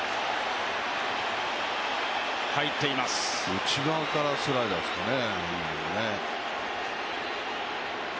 内側へスライダーですかね。